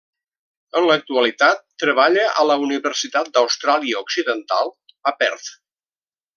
En l'actualitat treballa a la Universitat d'Austràlia Occidental a Perth.